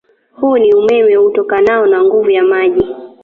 Huu ni umeme utokanao na nguvu ya maji